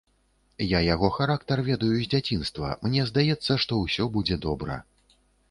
Я яго характар ведаю з дзяцінства, мне здаецца, што ўсё будзе добра.